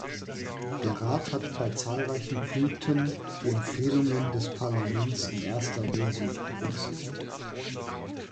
Der Rat hat bei zahlreichen Punkten die Empfehlungen des Parlaments in erster Lesung berücksichtigt.